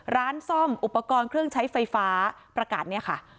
ร้านซ่อมอุปกรณ์เครื่องใช้ไฟฟ้าประกาศเนี่ยค่ะ